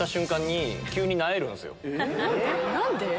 何で？